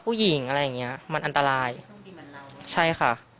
โปรดติดตามตอนต่อไป